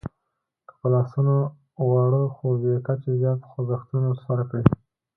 که په لاسونو واړه خو بې کچې زیات خوځښتونه ترسره کړئ